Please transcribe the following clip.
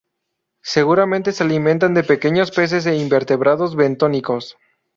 Seguramente se alimentan de pequeños peces e invertebrados bentónicos.